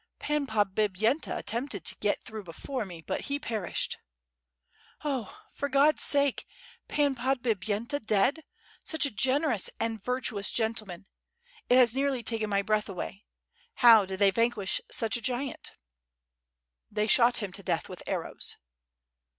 "Pan Podbipyenta attempted to get through before me, but he perished." .... "Oh! for God's sake! Pan Podbipyenta dead! such a gen erous and virtuous gentleman! It has nearly taken my breath away. How did they vanquish such a giant?" "They shot him to death with arrows."